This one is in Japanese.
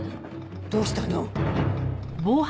どうしたの？